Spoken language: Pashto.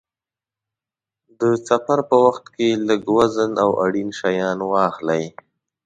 د سفر په وخت کې لږ وزن او اړین شیان واخلئ.